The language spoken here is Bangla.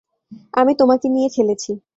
আমি তোমাকে নিয়ে খেলেছি।